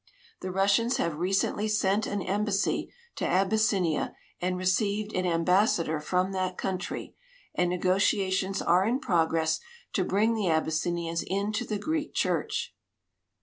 The Russians have recently sent an embassy to Abyssinia and received an ambassador from that country, and negotia tions are in progress to bring the Abyssinians into the Greek church.